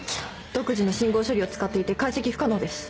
独自の信号処理を使っていて解析不可能です。